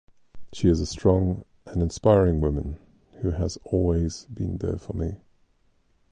She is a strong and inspiring woman who has always been there for me.